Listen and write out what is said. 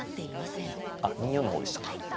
あっ２四の方でしたか。